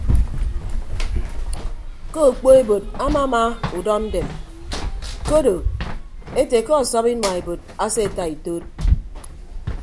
Ke okpoebod amama udọndem ke odo ete ke ọsọp inua ebod aseeta ituud.